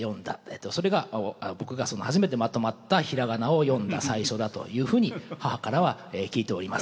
それが僕が初めてまとまった平仮名を読んだ最初だというふうに母からは聞いております。